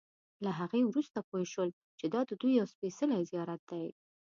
له هغې وروسته پوی شول چې دا ددوی یو سپېڅلی زیارت دی.